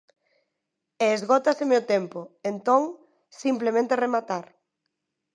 E esgótaseme o tempo; entón, simplemente rematar.